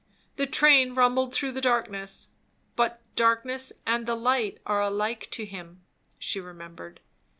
The train rumbled along through the darkness; but "darkness and the light are alike to him," she remembered.